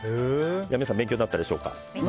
皆さん、勉強になったでしょうか。